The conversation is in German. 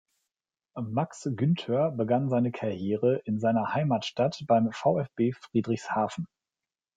Max Günthör begann seine Karriere in seiner Heimatstadt beim VfB Friedrichshafen.